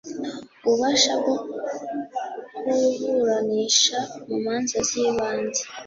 ububasha bwo kuburanisha mu manza zibanze